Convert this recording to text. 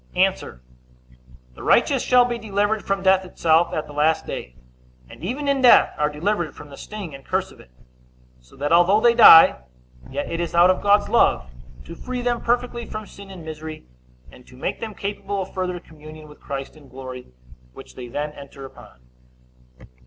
A. The righteous shall be delivered from death itself at the last day, and even in death are delivered from the sting and curse of it; so that, although they die, yet it is out of God's love, to free them perfectly from sin and misery, and to make them capable of further communion with Christ in glory, which they then enter upon.